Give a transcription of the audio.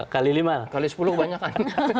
kali lima kali sepuluh banyak kan